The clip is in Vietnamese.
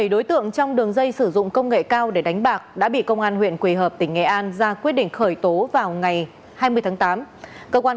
bảy đối tượng trong đường dây sử dụng công nghệ cao để đánh bạc đã bị công an huyện quỳ hợp tỉnh nghệ an ra quyết định khởi tố vào ngày hai mươi tháng tám